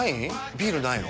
ビールないの？